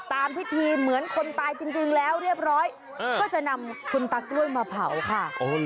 ตามพิธีเหมือนคนตายจริงแล้วเรียบร้อยก็จะนำคุณตากล้วยมาเผาค่ะ